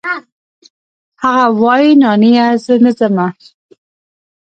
هغه وايي نانيه زه ځمه.